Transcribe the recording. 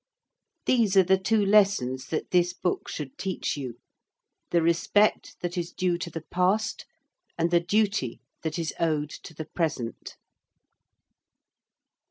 These are the two lessons that this book should teach you the respect that is due to the past and the duty that is owed to the present.